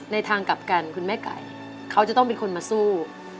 ทางกลับกันคุณแม่ไก่เขาจะต้องเป็นคนมาสู้